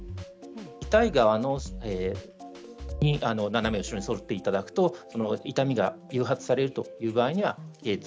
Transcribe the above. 痛い側に斜め後ろに反っていただくと痛みが誘発される場合にはけい椎